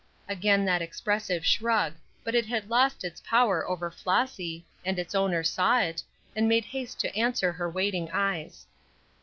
Again that expressive shrug; but it had lost its power over Flossy, and its owner saw it, and made haste to answer her waiting eyes.